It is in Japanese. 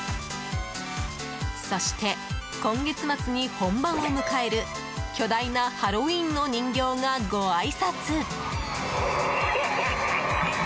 そして、今月末に本番を迎える巨大なハロウィーンの人形がごあいさつ！